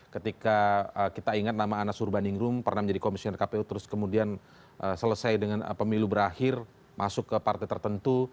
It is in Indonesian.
ketika kita ingat nama anas urbaningrum pernah menjadi komisioner kpu terus kemudian selesai dengan pemilu berakhir masuk ke partai tertentu